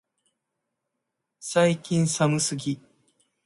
最近寒すぎ、